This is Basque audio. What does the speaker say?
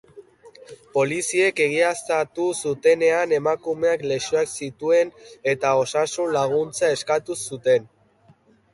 Poliziek egiaztatu zutenez, emakumeak lesioak zituen, eta osasun-laguntza eskatu zuten.